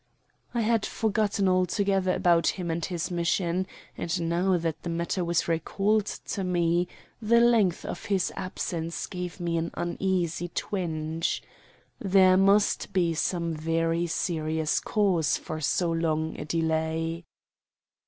I had forgotten altogether about him and his mission; and, now that the matter was recalled to me, the length of his absence gave me an uneasy twinge. There must be some very serious cause for so long a delay.